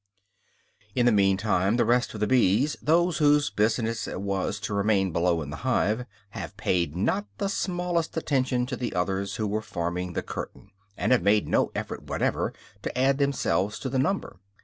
In the meantime, the rest of the bees those whose business it was to remain below in the hive have paid not the smallest attention to the others who were forming the curtain, and have made no effort whatever to add themselves to the number.